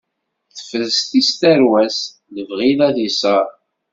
Tefrest-it tarwa-s, lebɣi ad isaṛ.